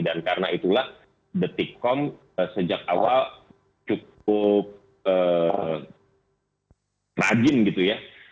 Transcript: dan karena itulah the tick com sejak awal cukup rajin gitu ya